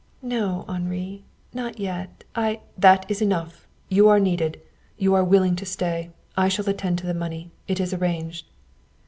"No, Henri. Not yet. I " "That is enough. You are needed. You are willing to stay. I shall attend to the money. It is arranged."